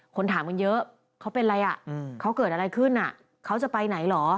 คนถามกันเยอะเขาเป็นอะไรอ่ะเขาเกิดอะไรขึ้นเขาจะไปไหนเหรอ